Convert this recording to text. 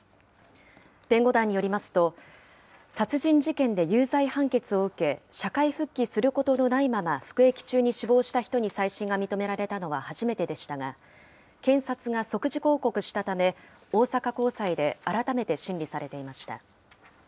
弁護団によりますと、殺人事件で有罪判決を受け、社会復帰することのないまま、服役中に死亡した人に再審が認められたのは初めてでしたが、検察が即時抗告したため、大阪高裁で改めて審理されていました。